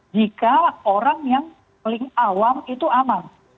jika orang yang paling awam itu aman